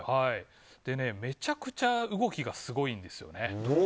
めちゃくちゃ動きがすごいんですよね。